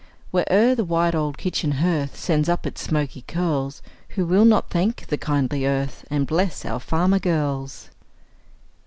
Where'er the wide old kitchen hearth Sends up its smoky curls, Who will not thank the kindly earth, And bless our farmer girls!